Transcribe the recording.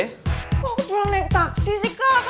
kok pulang naik taksi sih kak